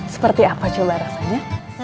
seperti apa coba rasanya